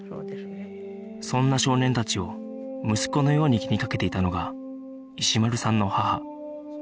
そんな少年たちを息子のように気に掛けていたのが石丸さんの母